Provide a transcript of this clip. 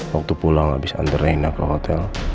waktu pulang abis antre renna ke hotel